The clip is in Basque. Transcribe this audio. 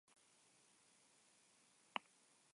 Gehienetan, hezkuntza arloan erabiltzen da.